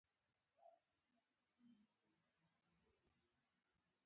آیا د نیاګرا ابشار ډیر سیلانیان نلري؟